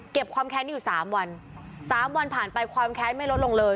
ความแค้นนี้อยู่สามวันสามวันผ่านไปความแค้นไม่ลดลงเลย